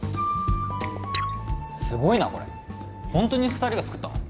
すごいなこれホントに二人が作ったの？